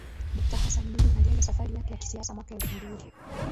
Dokta Hussein Mwinyi alianza safari yake ya kisiasa mwaka elfu mbili